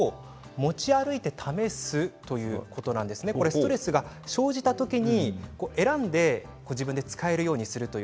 ストレスが生じた時に選んで自分で使えるようにする。